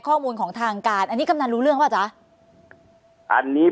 ข้อมูลของทางการอันนี้กำนันรู้เรื่องป่ะจ๊ะอันนี้